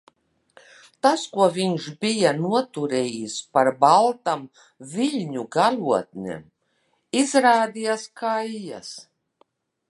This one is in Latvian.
Tās, ko viņš bija noturējis par baltām viļņu galotnēm, izrādījās kaijas.